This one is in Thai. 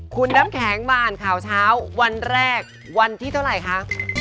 คุณน้ำแข็งมาอ่านข่าวเช้าวันแรกวันที่เท่าไหร่คะ